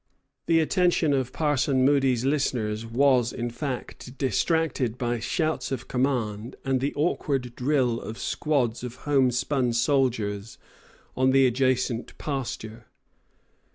The attention of Parson Moody's listeners was, in fact, distracted by shouts of command and the awkward drill of squads of homespun soldiers on the adjacent pasture.